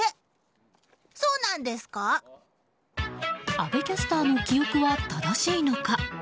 阿部キャスターの記憶は正しいのか？